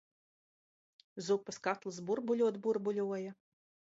Zupas katls burbuļot burbuļoja!